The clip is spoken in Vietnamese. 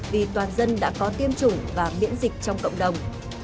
vì toàn dân đã có tiêm chủng và miễn dịch trong cộng đồng